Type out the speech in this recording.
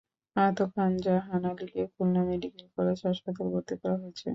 আহত খান জাহান আলীকে Khulna medical college হাসপাতালে ভর্তি করা হয়েছে।